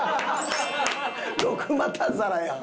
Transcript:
六股皿やん。